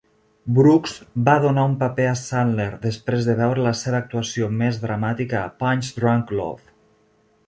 Brooks va donar un paper a Sandler després de veure la seva actuació més dramàtica a "Punch-Drunk Love"